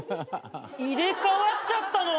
入れ替わっちゃったの！？